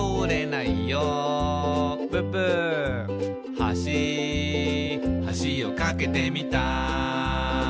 「はしはしを架けてみた」